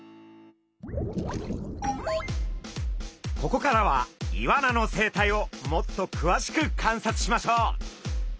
ここからはイワナの生態をもっとくわしく観察しましょう。